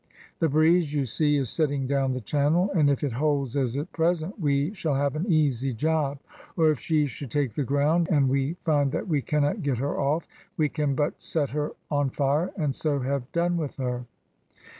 The breeze, you see, is setting down the channel, and if it holds as at present, we shall have an easy job, or if she should take the ground, and we find that we cannot get her off, we can but set her on fire, and so have done with her."